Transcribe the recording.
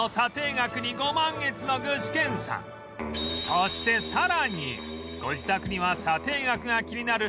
そしてさらにご自宅には査定額が気になる